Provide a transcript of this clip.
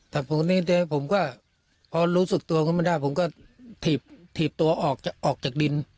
แต่พอนี้ผมก็พอรู้สึกตัวขึ้นมาได้ผมก็ถีบตัวออกจากดิน